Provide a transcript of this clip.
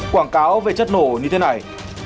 quảng cáo về chất nổ như thế này